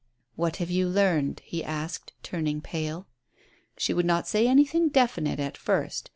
"What have you learned?" he asked, turning pale. She would not say anything definite at first.